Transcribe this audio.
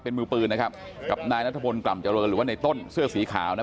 เป็นมือปืนนะครับกับนายนัทพลกล่ำเจริญหรือว่าในต้นเสื้อสีขาวนะ